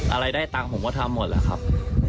อะไรได้ตังค์ผมก็ทำหมดแหละครับ